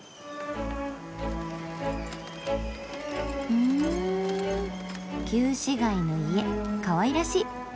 ふん旧市街の家かわいらしい。